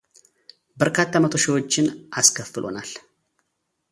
በርካታ መቶ ሺዎችን አስከፍሎናል